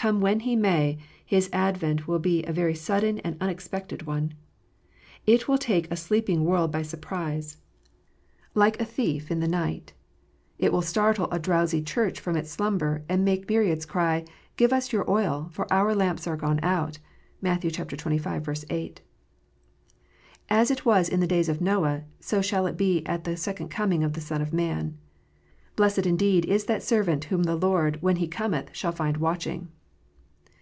Come when He may, His advent will be a very sudden and unexpected one. It will take a sleeping world by surprise, like a thief in THE PRIEST. 255 the night. It will startle a drowsy Church from its slumber, and make myriads cry, " Give us of your oil ; for our lamps are gone out." (Matt. xxv. 8.) As it was in the days of Noah, so shall it be at the second coming of the Son of Man. Blessed, indeed, is that servant whom the Lord, when He cometh, shall find watching